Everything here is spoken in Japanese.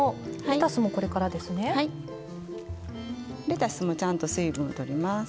レタスもちゃんと水分を取ります。